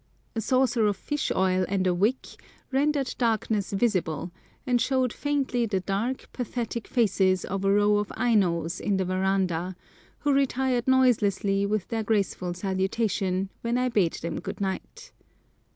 A saucer of fish oil and a wick rendered darkness visible, and showed faintly the dark, pathetic faces of a row of Ainos in the verandah, who retired noiselessly with their graceful salutation when I bade them good night.